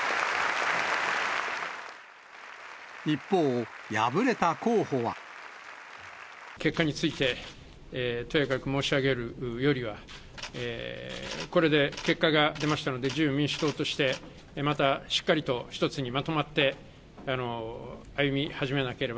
一方、結果について、とやかく申し上げるよりは、これで結果が出ましたので、自由民主党として、またしっかりと一つにまとまって歩み始めなければ。